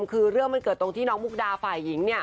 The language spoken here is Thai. คือเรื่องมันเกิดตรงที่น้องมุกดาฝ่ายหญิงเนี่ย